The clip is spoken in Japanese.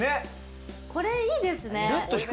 これ、いいですね。